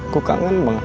ku kangen banget